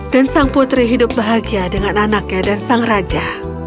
dan sang putri hidup bahagia dengan anaknya dan sang raja